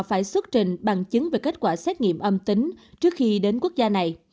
phải xuất trình bằng chứng về kết quả xét nghiệm âm tính trước khi đến quốc gia này